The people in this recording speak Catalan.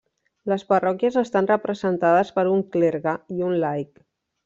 Les parròquies estan representades per un clergue i un laic.